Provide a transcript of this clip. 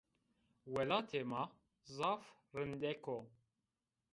Welatê ma zaf rindek o.